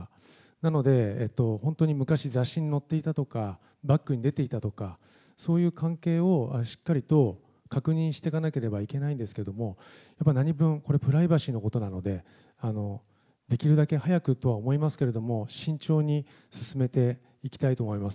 なので、本当に昔、雑誌に載っていたとか、バックに出ていたとか、そういう関係をしっかりと確認していかなければいけないんですけれども、やっぱりなにぶん、これ、プライバシーのことなので、できるだけ早くとは思いますけども、慎重に進めていきたいと思います。